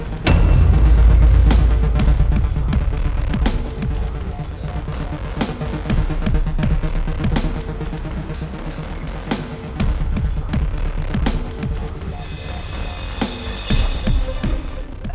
jujur sama saya